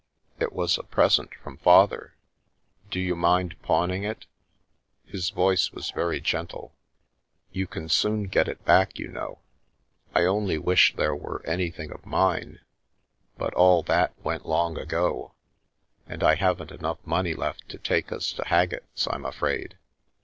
It was a present from Father." "Do you mind pawning it?" His voice was very gentle. " You can soon get it back, you know. I only wish there were anything of mine, but all that went long ago, and I haven't enough money left to take us to Haggett's, I'm afraid.